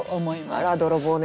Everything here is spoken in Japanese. あら泥棒猫。